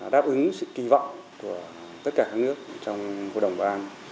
đáp ứng sự kỳ vọng của tất cả các nước trong hội đồng bảo an